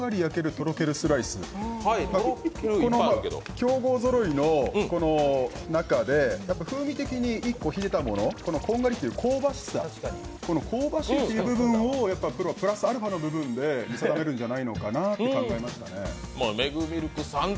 強豪ぞろいの中で風味的に秀でたものこんがりという香ばしさ、この香ばしいという部分をやっぱりプラスアルファの部分で見定めるんじゃないかなと考えましてね。